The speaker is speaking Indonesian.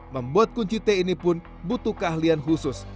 membuat kunci t ini pun butuh keahlian khusus